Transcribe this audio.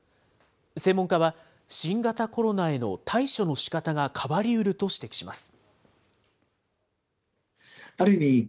専門家は新型コロナへの対処のしかたが変わりうると指摘します。